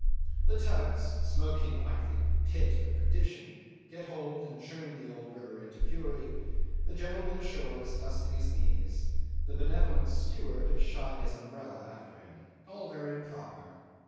The tugs, smoking like the pit of perdition, get hold and churn the old river into fury; the gentleman ashore is dusting his knees the benevolent steward has shied his umbrella after him. All very proper.